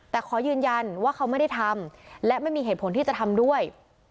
แต่ขอยืนยันว่าเขาไม่ได้ทำและไม่มีเหตุผลที่จะทำด้วย